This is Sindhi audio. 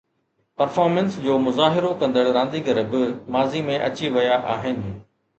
پرفارمنس جو مظاهرو ڪندڙ رانديگر به ماضي ۾ اچي ويا آهن.